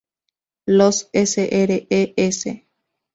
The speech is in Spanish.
Los Sres.